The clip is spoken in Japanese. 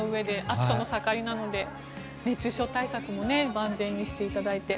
暑さも盛りなので熱中症対策も万全にしていただいて。